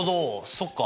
そっか。